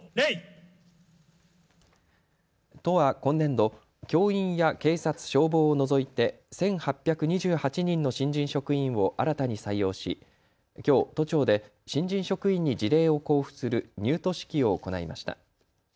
都は今年度、教員や警察・消防を除いて１８２８人の新人職員を新たに採用しきょう都庁で新人職員に辞令を交付する入都式を行いました。